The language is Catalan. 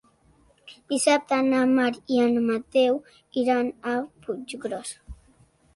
Dissabte na Mar i en Mateu iran a Puiggròs.